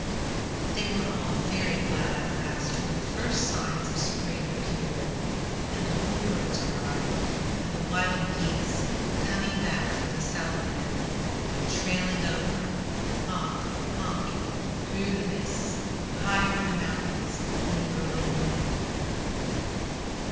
They were all very glad, at last, when the first signs of spring appeared, and the bluebirds arrived, and the wild geese, coming back from the southland, went trailing over, "honk, honking" through the mists, high over the mountains, in the early morning.